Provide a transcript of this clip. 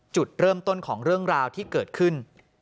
จุดเริ่มต้นของเรื่องราวที่เกิดขึ้น